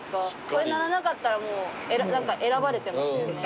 これ鳴らなかったらもう何か選ばれてますよね。